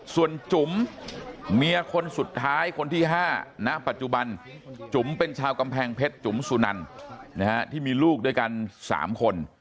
ส่วนจุ๋มเมียคนสุดท้ายคนที่๕ณปัจจุบันจุ๋มเป็นชาวกำแพงเพชรจุ๋มสุนันที่มีลูกด้วยกัน๓คน